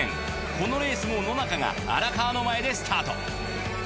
このレースも野中が荒川の前でスタート。